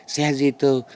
xe dây tơ